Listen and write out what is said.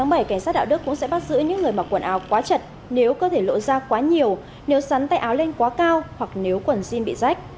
từ ngày một mươi sáu tháng bảy cảnh sát đạo đức cũng sẽ bắt giữ những người mặc quần áo quá chật nếu cơ thể lộ da quá nhiều nếu sắn tay áo lên quá cao hoặc nếu quần jean bị rách